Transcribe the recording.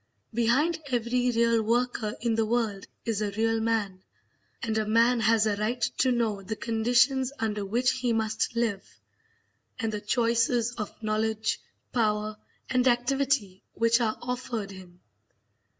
Behind every real worker in the world is a real man, and a man has a right to know the conditions under which he must live, and the choices of knowledge, power, and activity which are offered him.